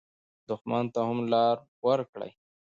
دښمن ته هم لار ورکړئ